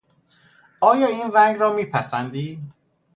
آیا این رنگ را میپسندی؟